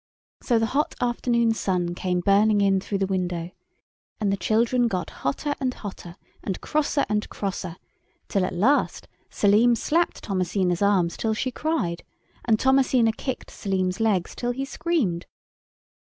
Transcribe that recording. So the hot afternoon sun came burning in through the window, and the children got hotter and hotter, and crosser and crosser, till at last Selim slapped Thomasina's arms till she cried, and Thomasina kicked Selim's legs till he screamed.